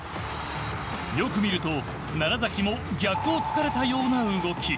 よく見ると崎も逆を突かれたような動き。